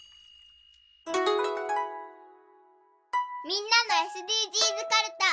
みんなのＳＤＧｓかるた。